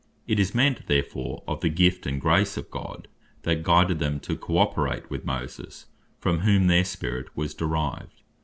It is meant therefore of the Gift and Grace of God, that guided them to co operate with Moses; from whom their Spirit was derived.